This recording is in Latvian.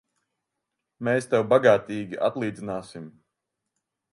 Mēs tev bagātīgi atlīdzināsim!